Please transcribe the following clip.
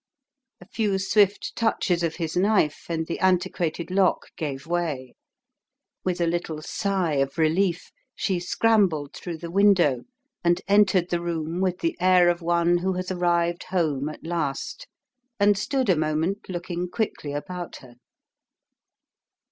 A few swift touches of his knife, and the antiquated lock gave way. With a little sigh of relief she scrambled through the window and entered the room with the air of one who has arrived home at last, and stood a moment looking quickly about her.